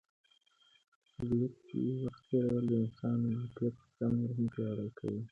په طبیعت کې وخت تېرول د انسان د معافیت سیسټم نور هم پیاوړی کوي.